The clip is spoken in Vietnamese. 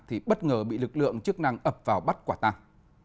thì bất ngờ bị lực lượng chức năng ập vào bắt quả tàng